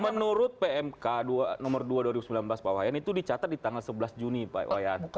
menurut pmk nomor dua dua ribu sembilan belas pak wayan itu dicatat di tanggal sebelas juni pak wayan